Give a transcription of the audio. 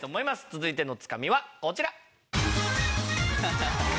続いてのツカミはこちら。